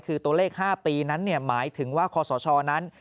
คือตัวเลข๕ปีนั้นหมายถึงว่าคอสชนั้น